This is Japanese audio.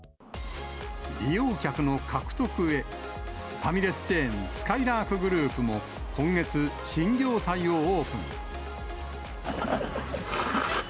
利用客の獲得へ、ファミレスチェーン、すかいらーくグループも、今月、新業態をオープン。